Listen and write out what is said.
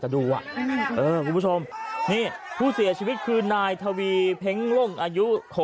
เดี้ยกับชาย